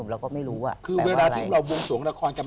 เราก็ไม่รู้ว่าแปลว่าอะไร